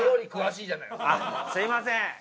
・すいません。